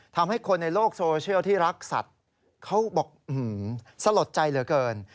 ทำให้คนในโลกโซเชียลที่รักสัตว์เขาบอกสลดใจเหลือเกิน